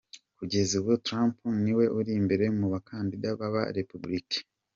Kugeza ubu Trump niwe uri imbere mu bakandida b’aba- Républicain.